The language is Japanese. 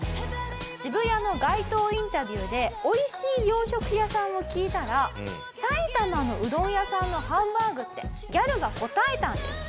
渋谷の街頭インタビューで美味しい洋食屋さんを聞いたら「埼玉のうどん屋さんのハンバーグ」ってギャルが答えたんです。